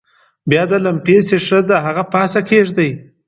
بیا د لمپې ښيښه د هغه د پاسه کیږدئ.